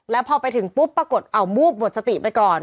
แล้วพอไปถึงปุ๊บปรากฏเอาวูบหมดสติไปก่อน